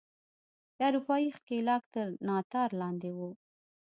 د اروپايي ښکېلاک تر ناتار لاندې وو.